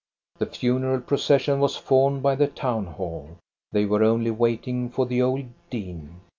The funeral procession was formed by the town hall. They were only waiting for the old dean.